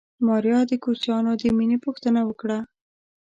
ماريا د کوچيانو د مېنې پوښتنه وکړه.